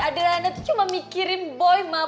adriana tuh cuma mikirin boy ma